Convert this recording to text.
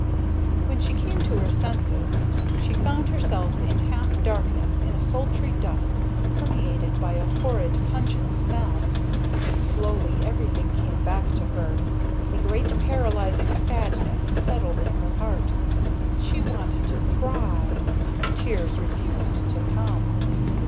When she came to her senses, she found herself in half darkness, in a sultry dusk permeated by a horrid, pungent smell. Slowly everything came back to her. A great paralyzing sadness settled in her heart. She wanted to cry: the tears refused to come.